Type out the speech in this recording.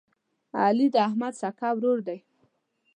علي د احمد سکه ورور دی.